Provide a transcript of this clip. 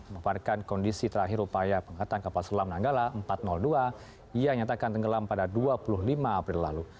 memaparkan kondisi terakhir upaya penghetan kapal selam nanggala empat ratus dua yang nyatakan tenggelam pada dua puluh lima april lalu